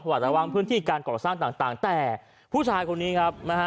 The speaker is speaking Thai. วัดระวังพื้นที่การก่อสร้างต่างแต่ผู้ชายคนนี้ครับนะฮะ